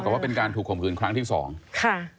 เท่ากับว่าเป็นการถูกข่มขืนครั้งที่๒ค่ะ